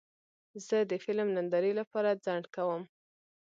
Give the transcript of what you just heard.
زه د فلم نندارې لپاره ځنډ کوم.